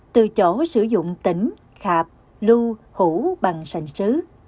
từ chỗ sử dụng tỉnh khạp lưu hũ bằng sành sứ